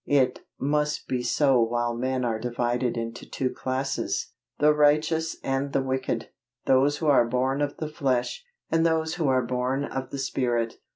It must be so while men are divided into two classes the righteous and the wicked those who are born of the flesh, and those who are born of the Spirit.